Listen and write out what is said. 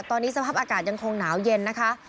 ตอนนี้สภาพอากาศยังคงหนาวเย็นนะคะ